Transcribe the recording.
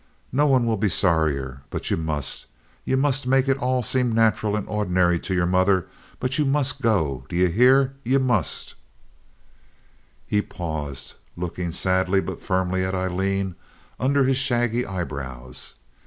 No one will be sorrier; but ye must. Ye must make it all seem natcheral and ordinary to yer mother; but ye must go—d'ye hear? Ye must." He paused, looking sadly but firmly at Aileen under his shaggy eyebrows.